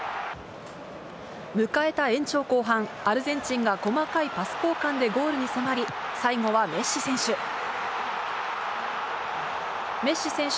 迎えた延長後半、アルゼンチンが細かいパス交換でゴールに迫り、最後はメッシ選手。